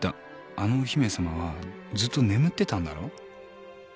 あのお姫さまはずっと眠ってたんだろ？